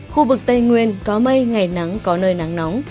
khu vực tây nguyên có mây ngày nắng có nơi nắng nóng